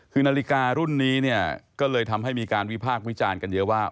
คือนาฬิการุ่นนี้เนี่ยก็เลยทำให้มีการวิพากษ์วิจารณ์กันเยอะว่า